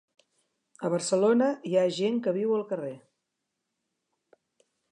A Barcelona hi ha gent que viu al carrer